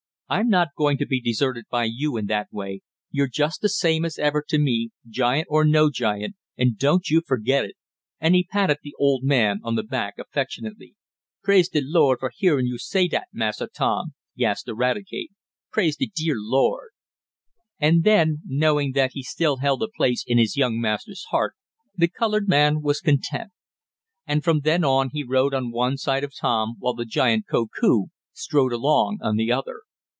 "I'm not going to be deserted by you in that way. You're just the same as ever to me, giant or no giant, and don't you forget it!" and he patted the old man on the back affectionately. "Praise de Lord fo' heahin' yo' say dat, Massa Tom," gasped Eradicate. "Praise de dear Lord!" And then, knowing that he still held a place in his young master's heart, the colored man was content. And from then on he rode on one side of Tom, while the giant, Koku, strode along on the other.